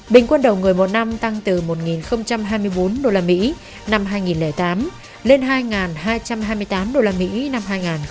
bình quân đầu người một năm tăng từ một hai mươi bốn usd năm hai nghìn tám lên hai hai trăm hai mươi tám usd năm hai nghìn một mươi